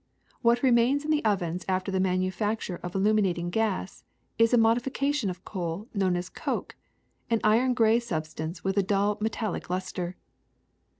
Wliat remains in the ovens after the manufact ure of illuminating gas is a modification of coal known as coke, an iron gray substance with a dull metallic luster.